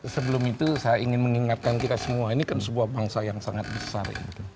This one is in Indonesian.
sebelum itu saya ingin mengingatkan kita semua ini kan sebuah bangsa yang sangat besar